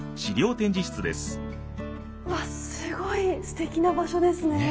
うわっすごいステキな場所ですね。